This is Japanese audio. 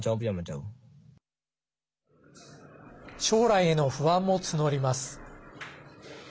将来への不安も募ります。